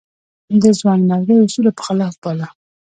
د ځوانمردۍ اصولو په خلاف باله.